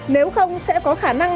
nếu không sẽ có khả năng